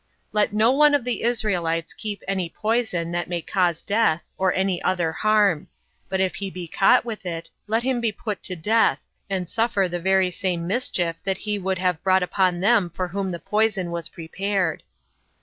34. Let no one of the Israelites keep any poison 29 that may cause death, or any other harm; but if he be caught with it, let him be put to death, and suffer the very same mischief that he would have brought upon them for whom the poison was prepared.